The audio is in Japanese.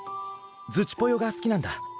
ズチぽよがすきなんだ。